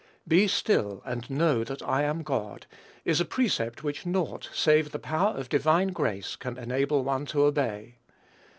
"Be still and know that I am God," is a precept which naught, save the power of divine grace, can enable one to obey.